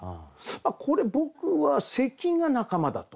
これ僕は咳が仲間だと。